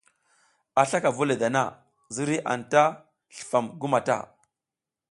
A slaka vu le dana, ziriy anta slifam gu mata.